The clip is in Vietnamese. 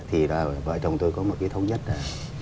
thì vợ chồng tôi có một cái thống nhất là